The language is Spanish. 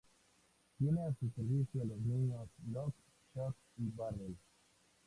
Tiene a su servicio a los niños Lock, Shock y Barrel.